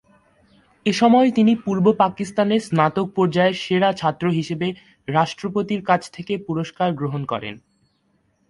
এসময় তিনি পূর্ব পাকিস্তানে স্নাতক পর্যায়ের সেরা ছাত্র হিসেবে রাষ্ট্রপতির কাছ থেকে পুরস্কার গ্রহণ করেন।